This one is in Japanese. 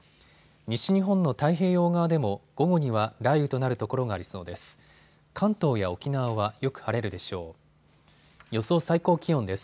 西日本の太平洋側でも午後には雷雨となる所がありそうです。